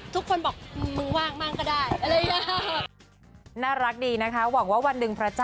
ทุกคนบอกมึงว่างมากก็ได้